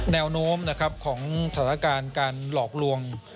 แนวโน้มของสถานการณ์การหลอกลวง